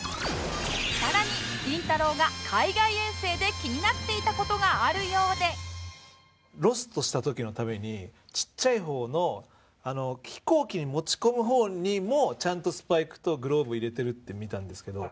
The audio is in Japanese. さらにりんたろー。が海外遠征で気になっていた事があるようでロストした時のためにちっちゃい方の飛行機に持ち込む方にもちゃんとスパイクとグローブ入れてるって見たんですけど。